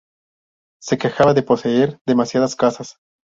Se quejaba de poseer "demasiadas casas".